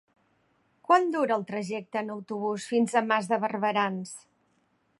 Quant dura el trajecte en autobús fins a Mas de Barberans?